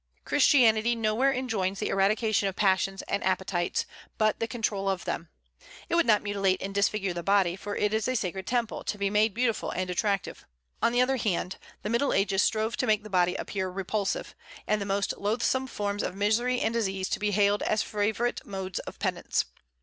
Christianity nowhere enjoins the eradication of passions and appetites, but the control of them. It would not mutilate and disfigure the body, for it is a sacred temple, to be made beautiful and attractive. On the other hand the Middle Ages strove to make the body appear repulsive, and the most loathsome forms of misery and disease to be hailed as favorite modes of penance.